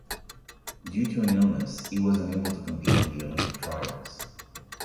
Due to an illness, he was unable to compete in the Olympic trials.